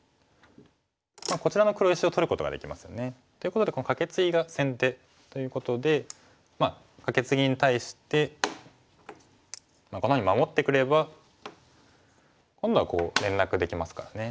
こちらの黒石を取ることができますよね。ということでこのカケツギが先手ということでカケツギに対してこのように守ってくれば今度は連絡できますからね。